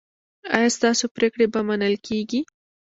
ایا ستاسو پریکړې به منل کیږي؟